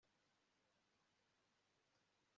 kumwenyura umunezero kuba mukundana